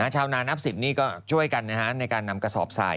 ชาวนานับ๑๐นี่ก็ช่วยกันในการนำกระสอบสาย